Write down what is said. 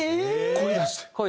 声出して。